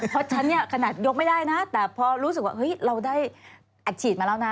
เพราะฉันเนี่ยขนาดยกไม่ได้นะแต่พอรู้สึกว่าเฮ้ยเราได้อัดฉีดมาแล้วนะ